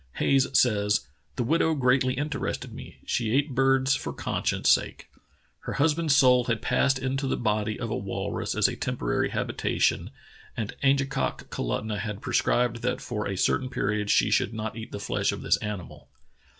Hayes says: "The widow greatly interested me. She ate birds for conscience' sake. Her husband's soul had passed into the body of a walrus as a temporary habitation, and Angekok Kalu ijo True Tales of Arctic Heroism tunah had prescribed that for a certain period she should not eat the flesh of this animal.